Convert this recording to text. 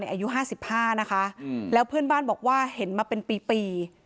ในอายุห้าสิบห้านะคะอืมแล้วเพื่อนบ้านบอกว่าเห็นมาเป็นปีปี